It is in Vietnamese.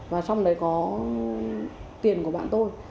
và trong đấy có tiền của bạn tôi